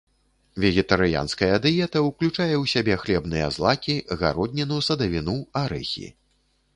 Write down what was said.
Вегетарыянская дыета уключае ў сябе хлебныя злакі, гародніну, садавіну, арэхі.